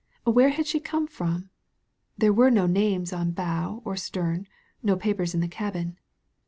"Where had she come from? There were no names on bow or stem, no papers in the cabin.